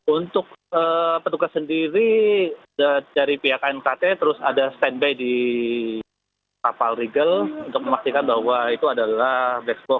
untuk petugas sendiri dari pihak knkt terus ada standby di kapal regal untuk memastikan bahwa itu adalah black box